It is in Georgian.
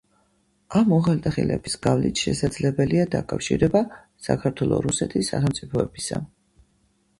ამ უღელტეხილების გავლით შესაძლებელია დაკავშირება საქართველო-რუსეთის სახელმწიფოებისა.